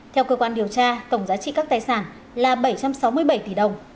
theo cơ quan điều tra tổng giá trị các tài sản là bảy trăm sáu mươi bảy tỷ đồng